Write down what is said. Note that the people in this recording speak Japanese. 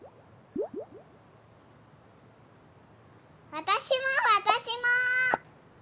わたしもわたしも。